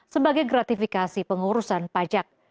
sebagai gratifikasi pengurusan pajak